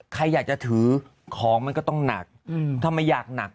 ใครอยากจะถือของมันก็ต้องหนักทำไมอยากหนัก